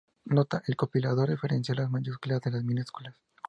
Nota: el compilador diferencia las mayúsculas de las minúsculas.